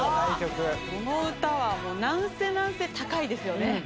この歌はなんせなんせ高いですよね。